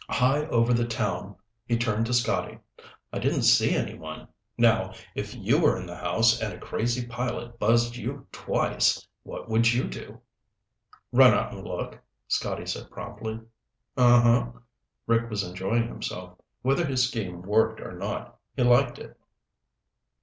High over the town, he turned to Scotty. "I didn't see anyone. Now, if you were in the house and a crazy pilot buzzed you twice, what would you do?" "Run out and look," Scotty said promptly. "Uhuh." Rick was enjoying himself. Whether his scheme worked or not, he liked it.